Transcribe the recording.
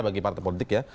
bagi partai politik ya